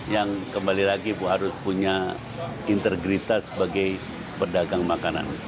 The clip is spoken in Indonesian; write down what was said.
yang kembali lagi harus punya integritas sebagai perdagang makanan